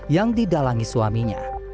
yang didalangi suaminya